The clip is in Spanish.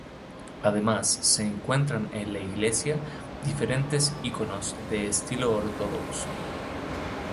Además se encuentran en la iglesia diferentes iconos de estilo ortodoxo.